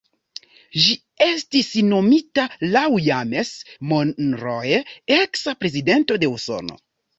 Ĝi estis nomita laŭ James Monroe, eksa prezidento de Usono.